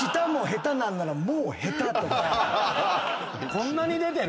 こんなに出てる？